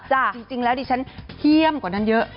จริงแล้วดิฉันเฮี่ยมกว่านั้นเยอะ